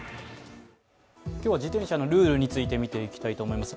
今日は自転車のルールについてみていきたいと思います。